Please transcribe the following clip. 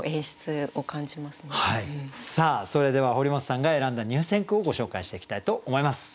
それでは堀本さんが選んだ入選句をご紹介していきたいと思います。